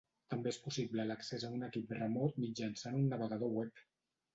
També és possible l'accés a un equip remot mitjançant un navegador web.